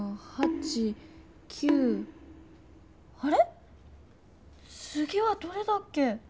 つぎはどれだっけ？